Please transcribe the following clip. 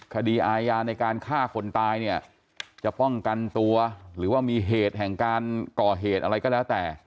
คดีอาญาในการฆ่าคนตายเนี่ยจะป้องกันตัวหรือว่ามีเหตุแห่งการก่อเหตุอะไรก็แล้วแต่